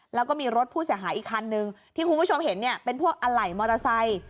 แล้วก็มีรถผู้เสียหายอีกคันนึงที่คุณผู้ชมเห็นเนี่ยเป็นพวกอะไหล่มอเตอร์ไซค์